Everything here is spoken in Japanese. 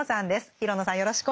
廣野さん